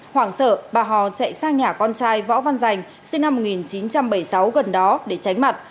hoảng sợ bà hò chạy sang nhà con trai võ văn dành sinh năm một nghìn chín trăm bảy mươi sáu gần đó để tránh mặt